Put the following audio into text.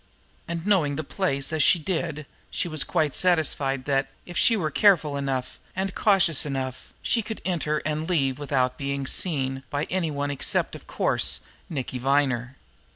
And, knowing the place as she did, she was quite satisfied that, if she were careful enough and cautious enough, she could both enter and leave without being seen by any one except, of course, Nicky Viner.